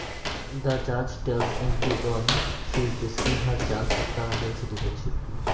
The judge tells Antigone she is risking her chance at Canadian citizenship.